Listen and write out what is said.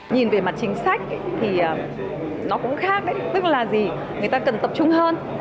nhìn về mặt chính sách thì nó cũng khác tức là gì người ta cần tập trung hơn